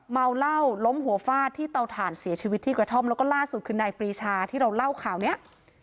เมาเหล้าล้มหัวฟาดที่เตาถ่านเสียชีวิตที่กระท่อมแล้วก็ล่าสุดคือนายปรีชาที่เราเล่าข่าวเนี้ย